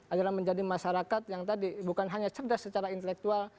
adalah menjadi masyarakat yang tadi bukan hanya cerdas secara intelektual